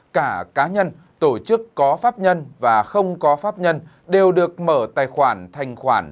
cả cá nhân tổ chức có pháp nhân và không có pháp nhân đều được mở tài khoản thành khoản